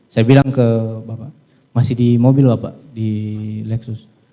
saya bilang ke bapak masih di mobil bapak di lexus